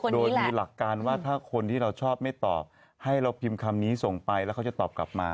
โดยมีหลักการว่าถ้าคนที่เราชอบไม่ตอบให้เราพิมพ์คำนี้ส่งไปแล้วเขาจะตอบกลับมา